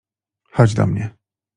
— Chodź do mnie!